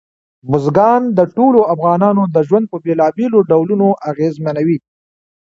بزګان د ټولو افغانانو ژوند په بېلابېلو ډولونو اغېزمنوي.